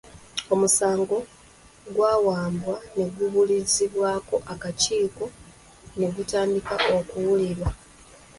Omusango gwawaabwa, ne gubuulirizibwako akakiiko ne gutandika okuwulirwa.